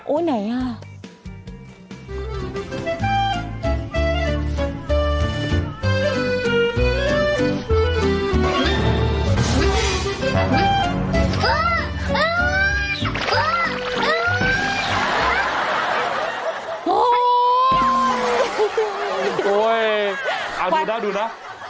โอ๊ยไหนน่ะ